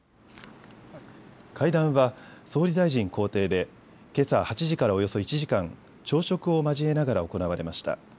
会談は総理大臣公邸でけさ８時からおよそ１時間、朝食を交えながら行われました。